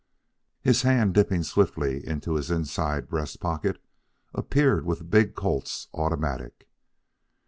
His hand, dipping swiftly into his inside breast pocket, appeared with the big Colt's automatic.